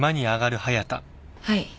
はい。